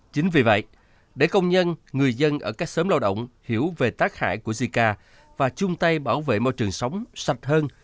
chính vì vậy để công nhân người dân ở các sớm lao động hiểu về tác hại của zika và chung tay bảo vệ môi trường sống sạch hơn